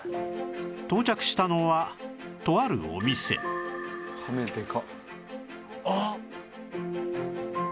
到着したのはとあるお店あっ！